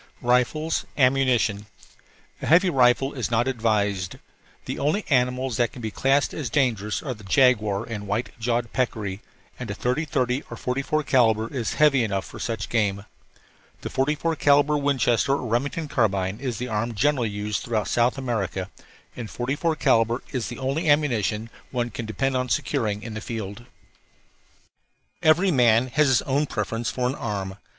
RIFLES AMMUNITION A heavy rifle is not advised. The only animals that can be classed as dangerous are the jaguar and white jawed peccary, and a 30 30 or 44 calibre is heavy enough for such game. The 44 calibre Winchester or Remington carbine is the arm generally used throughout South America, and 44 calibre is the only ammunition that one can depend upon securing in the field. Every man has his own preference for an arm.